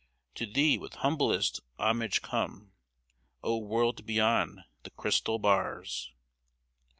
To thee with humblest homage come, O world beyond the crystal bars'